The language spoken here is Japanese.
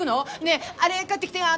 「ねえあれ買ってきてよ